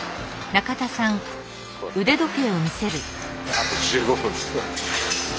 あと１５分ですね。